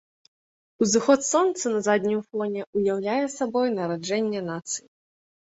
Узыход сонца на заднім фоне ўяўляе сабой нараджэнне нацыі.